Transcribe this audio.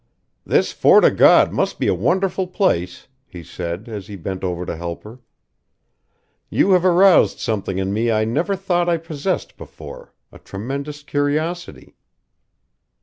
"This Fort o' God must be a wonderful place," he said, as he bent over to help her. "You have aroused something in me I never thought I possessed before a tremendous curiosity."